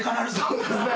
そうですね。